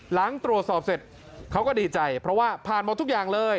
หลังตรวจสอบเสร็จเขาก็ดีใจเพราะว่าผ่านหมดทุกอย่างเลย